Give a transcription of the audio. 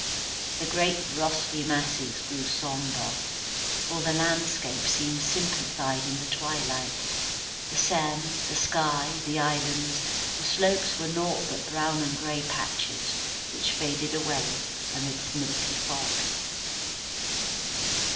The great russety masses grew sombre; all the landscape became simplified in the twilight; the Seine, the sky, the islands, the slopes were naught but brown and grey patches which faded away amidst milky fog.